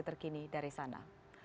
terkini dari sana